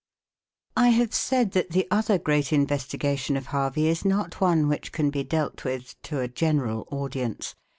I have said that the other great investigation of Harvey is not one which can be dealt with to a general audience.